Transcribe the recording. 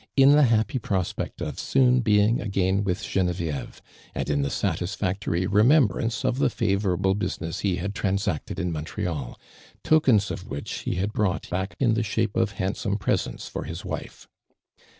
in the happy prospect of soon being a;: ut with (ienevieve, and in the satisfactoiy remembrance of the favorable business he had transacted in Montreal, tokens of which he had brought back in the shape of ! handsome presents for his wife.